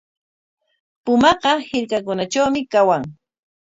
Pumaqa hirkakunatrawmi kawan.